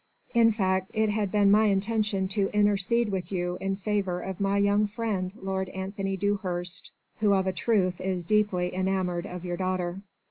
In fact, it had been my intention to intercede with you in favour of my young friend Lord Anthony Dewhurst, who of a truth is deeply enamoured of your daughter."